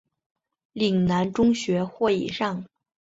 岭南中学或以上。